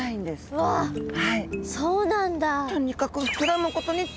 うわそうなんだ。